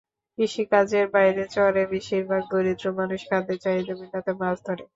কৃষিকাজের বাইরে চরের বেশির ভাগ দরিদ্র মানুষ খাদ্যের চাহিদা মেটাতে মাছ ধরে।